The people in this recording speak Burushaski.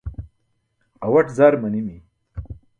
Awaṭ zar manimi.